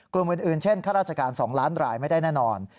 กลุ่มอื่นเช่นข้าราชการ๒ล้านรายไม่ได้แน่นอน